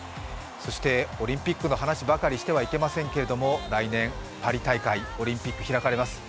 そしてオリンピックの話ばかりしてはいけませんけれども、来年、パリ大会オリンピック開かれます。